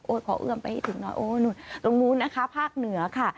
พอเอื้อมไปให้ถึงหน่อยโอ้นู่นตรงนู้นนะคะภาคเหนือค่ะ